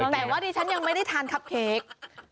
แต่ว่าดิฉันยังไม่ได้ทานคับเค้ก